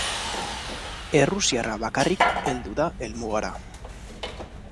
Errusiarra bakarik heldu da helmugara.